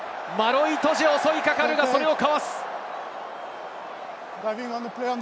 マロ・イトジェが襲いかかるが、それをかわす。